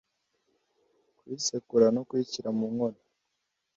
kuyisekura no kuyishyira mu nkono,